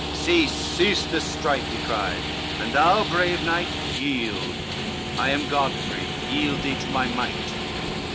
"Cease, cease this strife," he cried: "and thou, brave knight, Yield, I am Godfrey, yield thee to my might!"